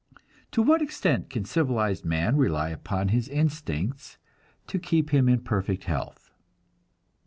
To what extent can civilized man rely upon his instincts to keep him in perfect health?